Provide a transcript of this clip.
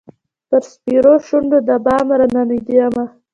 پر سپیرو شونډو د بام راننېدمه